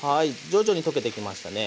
徐々に溶けてきましたね。